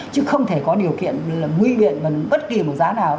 chứ không thể có điều kiện nguy biện bằng bất kỳ một giá nào